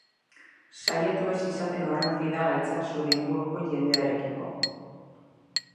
Saiatu ez izaten horren fidagaitza zure inguruko jendearekiko.